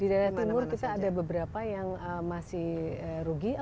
di daerah timur kita ada beberapa yang masih rugi